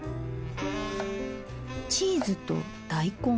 チーズと大根。